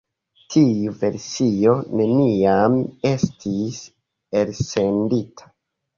Tiu versio neniam estis elsendita.